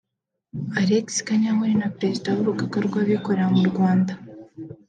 Alex Kanyankore na perezida w’Urugaga rw’Abikorera mu Rwanda